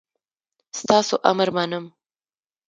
ستاسو امر منم